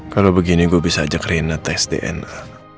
kalau begini gue bisa ajak rina tes dna